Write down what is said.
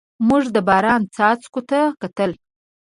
موږ د باران څاڅکو ته کتل.